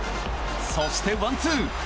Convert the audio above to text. そして、ワンツー！